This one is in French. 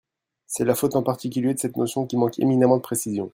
C’est la faute en particulier de cette notion qui manque éminemment de précision.